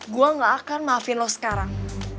gue gak akan maafin lo sekarang